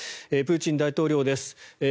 プーチン大統領です。